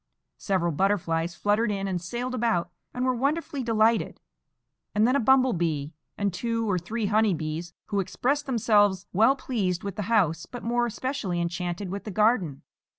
Several butterflies fluttered in and sailed about and were wonderfully delighted, and then a bumble bee and two or three honey bees, who expressed themselves well pleased with the house, but more especially enchanted with the garden.